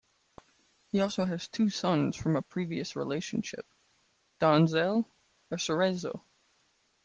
He also has two sons from a previous relationship, Denzell and Cerezo.